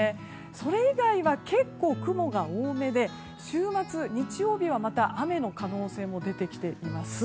それ以外は雲が多めで週末日曜日はまた雨の可能性も出てきています。